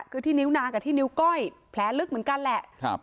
คือที่นิ้วนางกับที่นิ้วก้อยแผลลึกเหมือนกันแหละ